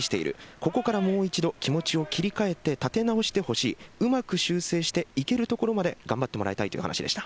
ここからもう一度気持ちを切り替えて立て直してほしいうまく修正して行けるところまで頑張ってもらいたいという話でした。